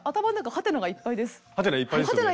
ハテナいっぱいですよね。